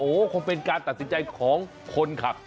โอ้โหคงเป็นการตัดสินใจของคนขับ